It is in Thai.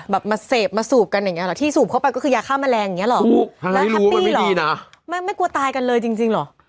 แบบมาเสพมาสูบกันอย่างเงี้ยหรอที่สูบเข้าไปก็คือยาฆ่าแมลงอย่างเงี้ยเหรอถ้าไม่รู้ว่ามันไม่ดีน่ะไม่ไม่กลัวตายกันเลยจริงจริงเหรอ